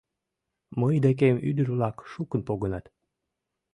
Мый декем ӱдыр-влак шукын погынат.